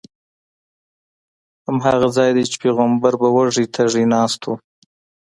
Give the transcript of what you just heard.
هماغه ځای دی چې پیغمبر به وږی تږی ناست و.